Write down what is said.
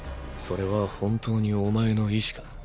それは本当にお前の意思か？